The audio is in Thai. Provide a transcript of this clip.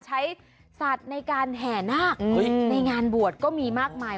ใช้สัตว์ในการแห่นาคในงานบวชก็มีมากมาย